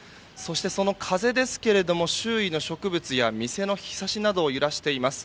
その風ですけども周囲の植物や店のひさしなどを揺らしています。